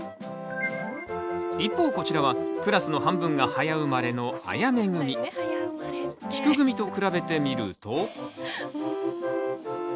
一方こちらはクラスの半分が早生まれのあやめ組。きく組と比べてみると。